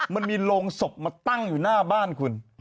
มันมีโรงศพมาตั้งอยู่หน้าบ้านคุณ